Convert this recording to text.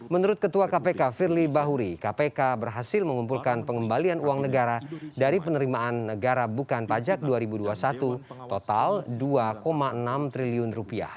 menurut ketua kpk firly bahuri kpk berhasil mengumpulkan pengembalian uang negara dari penerimaan negara bukan pajak dua ribu dua puluh satu total rp dua enam triliun